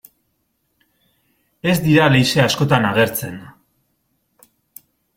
Ez dira leize askotan agertzen.